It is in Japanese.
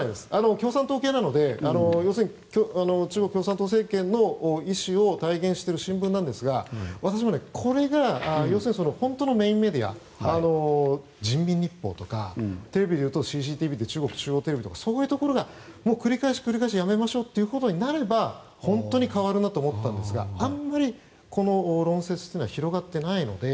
共産党系なので要するに中国共産党政権の意思を代弁している新聞ですが私もこれが本当のメインメディア人民日報とかテレビで言うとＣＣＴＶ、中国中央テレビそういうところが繰り返し、やめましょうとなれば本当に変わるなと思ったんですがあまりこの論説は広がっていないので。